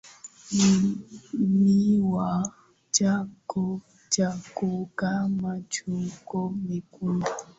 kinywa chako chakauka macho kuwa mekundu